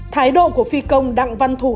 thái độ của phi công đặng văn thủ